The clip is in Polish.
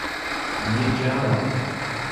nie działa